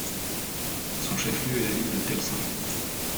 Son chef-lieu est la ville de Telsen.